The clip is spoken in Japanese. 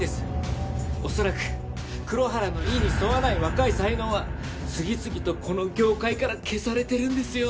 恐らく黒原の意に沿わない若い才能は次々とこの業界から消されてるんですよ。